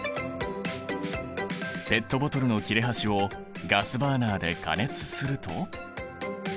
ペットボトルの切れ端をガスバーナーで加熱すると。